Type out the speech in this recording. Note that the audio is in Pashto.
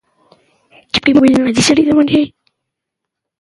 افغان جهاديان د کابل ښار ویرول.